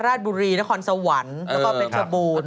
ราชบุรีนครสวรรค์แล้วก็เป็นเฉพาณ